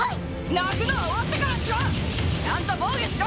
泣くのは終わってからにしろ。